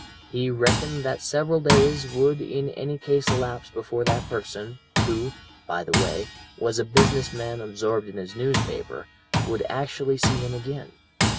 He reckoned that several days would in any case elapse before that person, who, by the way, was a business man absorbed in his newspaper, would actually see him again.